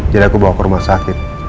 jadi aku bawa ke rumah sakit